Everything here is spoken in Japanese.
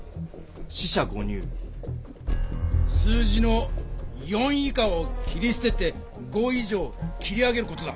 数字の４以下を切り捨てて５以上を切り上げる事だ。